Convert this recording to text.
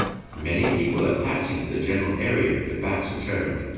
Many people are passing through the general area their backs are turned.